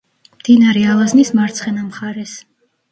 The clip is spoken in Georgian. მდინარე ალაზნის მარცხენა მხარეს.